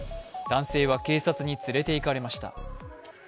男性は警察に連れて行かれました。